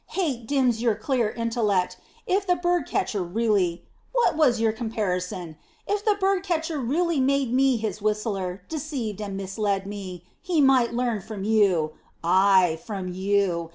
"Hate dims your clear intellect. If the bird catcher really what was your comparison if the bird catcher really made me his whistler, deceived and misled me, he might learn from you, ay, from you!